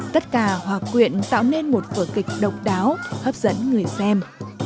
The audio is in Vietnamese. tất cả hòa quyện tạo nên một vở kịch độc đáo hấp dẫn người xem